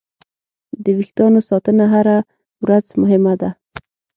د وېښتیانو ساتنه هره ورځ مهمه ده.